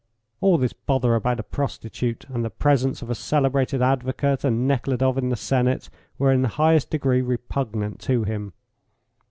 All this bother about a prostitute, and the presence of a celebrated advocate and Nekhludoff in the Senate were in the highest degree repugnant to him.